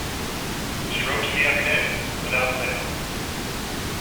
She wrote to me every day, without fail.